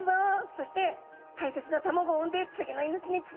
そして大切な卵を産んで次の命につないでいくんだい。